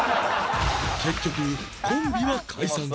結局コンビは解散